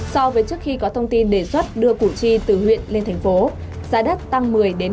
so với trước khi có thông tin đề xuất đưa củ chi từ huyện lên thành phố giá đất tăng một mươi ba mươi